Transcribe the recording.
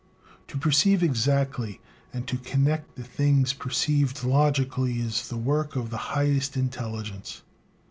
To perceive exactly and to connect the things perceived logically is the work of the highest intelligence.